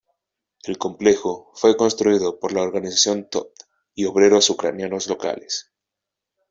El complejo fue construido por la Organización Todt y obreros ucranianos locales.